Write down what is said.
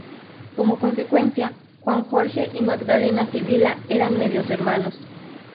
Como consecuencia, Juan Jorge y Magdalena Sibila eran medios hermanos.